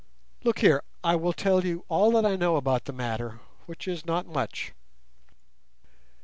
Look here; I will tell you all that I know about the matter, which is not much.